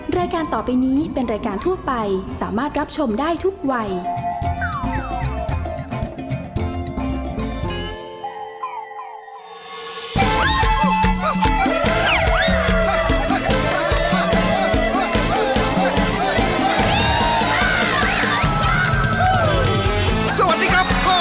สวัสดีครับพ่อแม่ผีน้อง